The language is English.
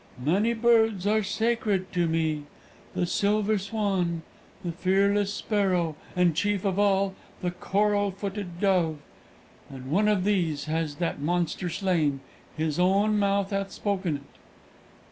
"Many birds are sacred to me the silver swan, the fearless sparrow, and, chief of all, the coral footed dove. And one of these has that monster slain his own mouth hath spoken it."